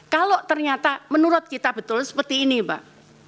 kalau ternyata menurut kita betul seperti ini pak